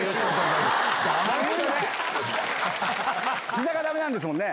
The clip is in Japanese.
膝がダメなんですもんね。